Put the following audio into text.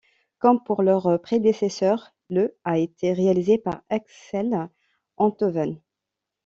Comme pour leurs prédécesseurs, le a été réalisé par Axel Enthoven.